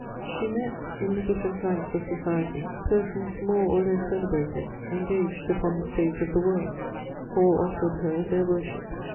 She met, in the different ranks of society, persons, more or less celebrated, engaged upon the stage of the world: all offered her their worship.